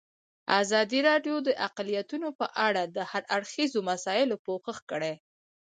ازادي راډیو د اقلیتونه په اړه د هر اړخیزو مسایلو پوښښ کړی.